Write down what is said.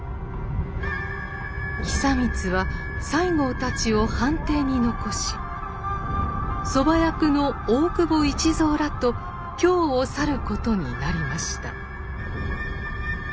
久光は西郷たちを藩邸に残し側役の大久保一蔵らと京を去ることになりました。